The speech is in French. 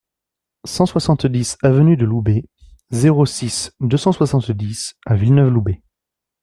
cent soixante-dix avenue du Loubet, zéro six, deux cent soixante-dix à Villeneuve-Loubet